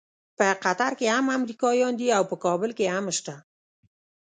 په قطر کې هم امریکایان دي او په کابل کې هم شته.